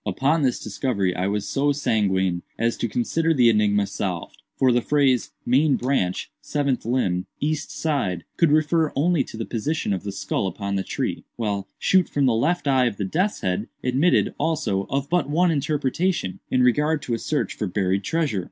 "Upon this discovery I was so sanguine as to consider the enigma solved; for the phrase 'main branch, seventh limb, east side,' could refer only to the position of the skull upon the tree, while 'shoot from the left eye of the death's head' admitted, also, of but one interpretation, in regard to a search for buried treasure.